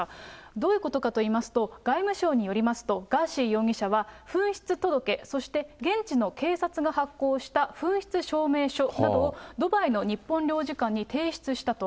どういうことかといいますと、外務省によりますと、ガーシー容疑者は、紛失届、そして現地の警察が発行した紛失証明書などを、ドバイの日本領事館に提出したと。